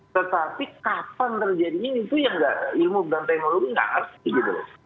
tetapi kapan terjadi ini itu yang ilmu berantai melulu nggak pasti gitu loh